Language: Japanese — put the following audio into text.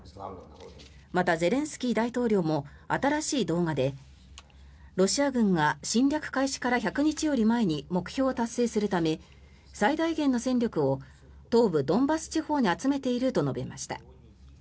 また、ゼレンスキー大統領も新しい動画でロシア軍が侵略開始から１００日より前に目標を達成するため最大限の戦力を東部ドンバス地方に集めていると述べました。